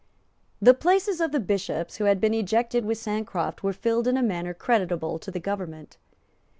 The places of the bishops who had been ejected with Sancroft were filled in a manner creditable to the government.